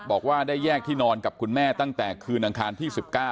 บอกว่าได้แยกที่นอนกับคุณแม่ตั้งแต่คืนอังคารที่๑๙